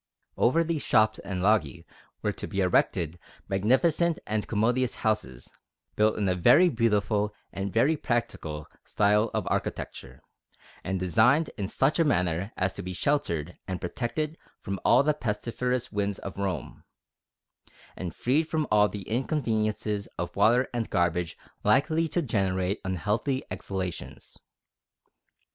Over these shops and loggie were to be erected magnificent and commodious houses, built in a very beautiful and very practical style of architecture, and designed in such a manner as to be sheltered and protected from all the pestiferous winds of Rome, and freed from all the inconveniences of water and garbage likely to generate unhealthy exhalations.